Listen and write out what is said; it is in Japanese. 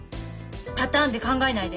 パターンで考えないで。